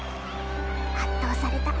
圧倒された。